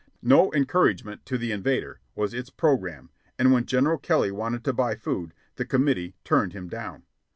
"No encouragement to the invader" was its programme, and when General Kelly wanted to buy food, the committee turned him down.